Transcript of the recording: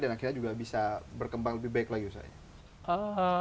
dan akhirnya juga bisa berkembang lebih baik lagi usahanya